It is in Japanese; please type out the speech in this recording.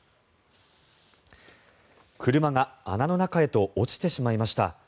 車が穴の中へと落ちてしまいました。